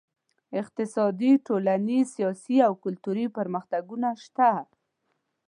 اقتصادي، ټولنیز، سیاسي او کلتوري پرمختګونه شته.